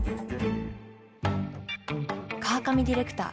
川上ディレクター